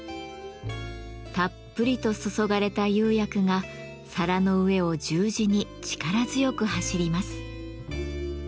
たっぷりと注がれた釉薬が皿の上を十字に力強く走ります。